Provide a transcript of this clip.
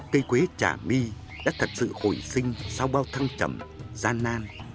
cây quế trả my đã thật sự hồi sinh sau bao thăng trầm gian nan